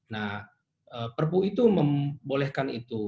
nah perpu itu membolehkan itu